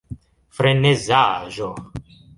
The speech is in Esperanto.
frenezaĵo